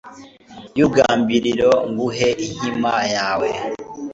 y'urugambiriro nguhe inkima yawe